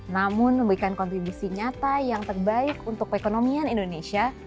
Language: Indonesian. namun memberikan kontribusi nyata yang terbaik untuk perekonomian indonesia